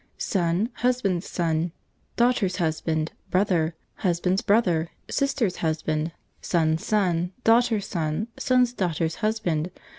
Son. Husband's Son. Daughter's Husband.. Brother. Husband's Brother. Sister's Husband.. Son's Son. Daughter's Son. Son's Daughter's Husband..